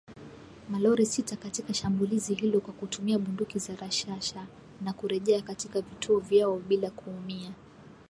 malori sita katika shambulizi hilo kwa kutumia bunduki za rashasha na kurejea katika vituo vyao bila kuumia